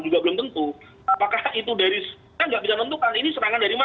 juga belum tentu apakah itu dari kan gak bisa tentukan ini serangan dari mana